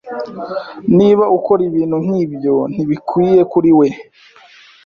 Niba ukora ibintu nkibyo, ntibikwiye kuri we.